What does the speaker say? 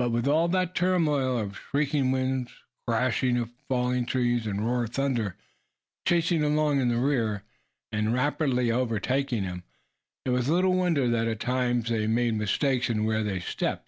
But with all that turmoil of shrieking winds, crash of falling trees, and roar of thunder, chasing along in their rear, and rapidly overtaking them, it was little wonder that at times they made mistakes in where they stepped.